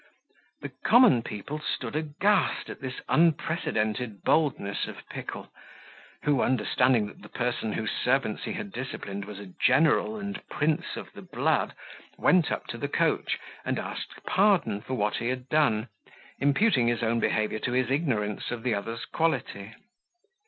The common people stood aghast at this unprecedented boldness of Pickle, who understanding that the person whose servants he had disciplined was a general and prince of the blood, went up to the coach, and asked pardon for what he had done, imputing his own behaviour to his ignorance of the other's quality.